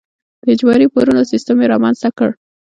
د اجباري پورونو سیستم یې رامنځته کړ.